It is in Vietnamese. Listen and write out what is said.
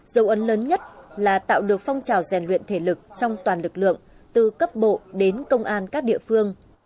dấu ấn lớn nhất là tạo được phong trào rèn luyện thể lực trong toàn lực lượng từ cấp bộ đến công an các địa phương